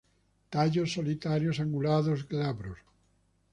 Tallos solitarios, angulados, glabros.